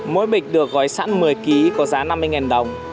mỗi bịch được gói sẵn một mươi kg có giá năm mươi đồng